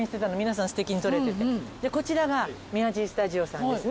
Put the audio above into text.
こちらが宮地スタジオさんですね。